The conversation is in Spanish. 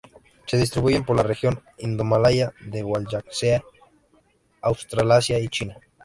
Se distribuyen por la región indomalaya, la Wallacea, Australasia y China.